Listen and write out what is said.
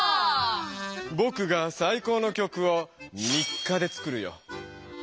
ぼくがさい高の曲を３日で作るよ。